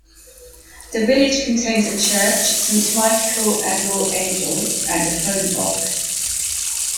The village contains a church, "Saint Michael and All Angels", and a phone box.